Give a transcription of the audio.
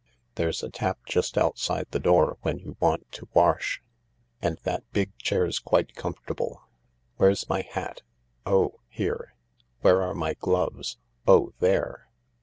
There's a tap just outside the door when you want to wash— and that big chair's quite comfortable. Where's my hat ?— oh* here ! Where are my gloves oh, there